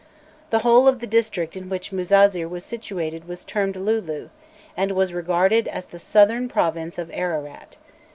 The whole of the district in which Muzazir was situated was termed Lulu, and was regarded as the southern province of Ararat.